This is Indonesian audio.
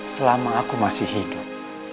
selama aku masih hidup